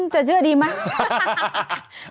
จะเชื่อดีไหม